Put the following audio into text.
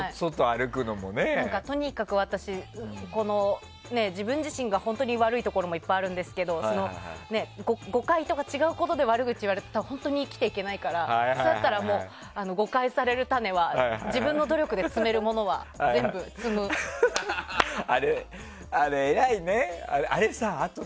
とにかく私自分自身、本当に悪いところもいっぱいありますが誤解とか違うことで悪口言われたら本当に生きていけないからそれだったら、誤解される種は自分の努力で摘めるものは全部摘もうと。